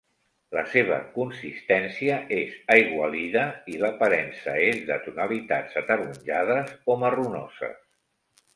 La seva consistència és aigualida i l'aparença és de tonalitats ataronjades o marronoses.